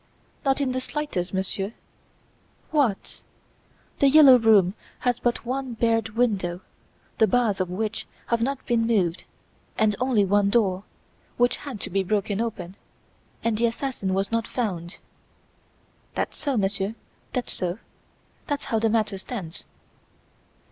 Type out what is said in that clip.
"Not in the slightest, Monsieur." "What! "The Yellow Room" has but one barred window the bars of which have not been moved and only one door, which had to be broken open and the assassin was not found!" "That's so, monsieur, that's so. That's how the matter stands."